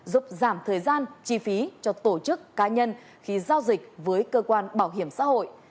giúp giảm thời gian chi phí cho tổ chức cá nhân khi giao dịch với cơ quan bảo hiểm xã hội